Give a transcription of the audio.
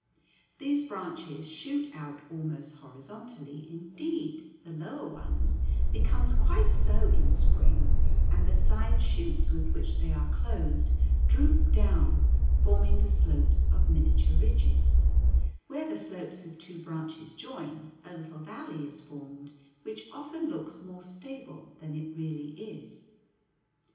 These branches shoot out almost horizontally; indeed, the lower ones become quite so in spring, and the side shoots with which they are clothed droop down, forming the slopes of miniature ridges; where the slopes of two branches join, a little valley is formed, which often looks more stable than it really is.